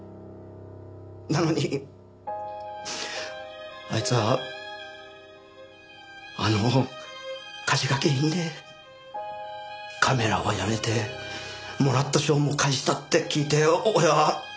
なのにあいつはあの火事が原因でカメラはやめてもらった賞も返したって聞いて俺は。